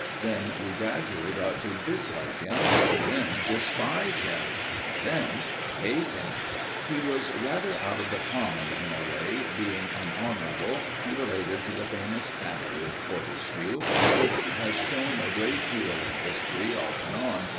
Then we gradually got to dislike him, and then despise him, and then hate him. He was rather out of the common in a way, being an Honourable and related to the famous family of Fortescue, which has shone a good deal in history off and on.